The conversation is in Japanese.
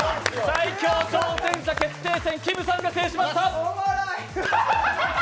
最強挑戦者決定戦、きむさんが勝ちました。